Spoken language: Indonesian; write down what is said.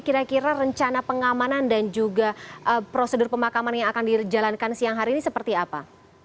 kira kira rencana pengamanan dan juga prosedur pemakaman yang akan dijalankan siang hari ini seperti apa